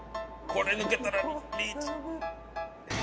これ抜けたらリーチ！